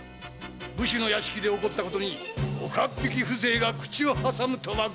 武士の屋敷で起こったことに岡っ引きが口を挟むとは言語道断！